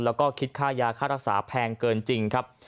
แล้วก็คิดค่ายาค่ารักษาแพงเกินจริงครับ